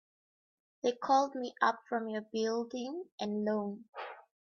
They called me up from your Building and Loan.